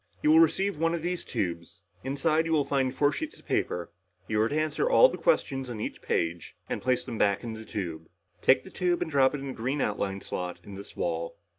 "You will receive one of these tubes. Inside, you will find four sheets of paper. You are to answer all the questions on each paper and place them back in the tube. Take the tube and drop it in the green outline slot in this wall."